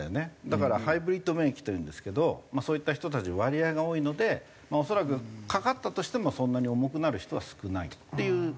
だからハイブリッド免疫というんですけどそういった人たちの割合が多いので恐らくかかったとしてもそんなに重くなる人は少ないっていう背景がある。